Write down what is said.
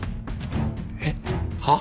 えっ。はっ？